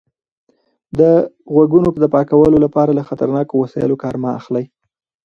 د غوږونو د پاکولو لپاره له خطرناکو وسایلو کار مه اخلئ.